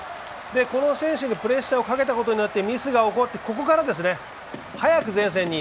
この選手にプレッシャーをかけたことによってミスが起こりここからですね、速く前線に。